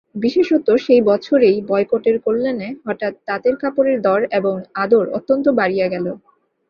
বিশেষত সেই বছরেই বয়কটের কল্যাণে হঠাৎ তাঁতের কাপড়ের দর এবং আদর অত্যন্ত বাড়িয়া গেল।